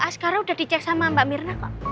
sekarang udah dicek sama mbak mirna kok